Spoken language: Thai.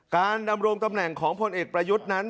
ดำรงตำแหน่งของพลเอกประยุทธ์นั้น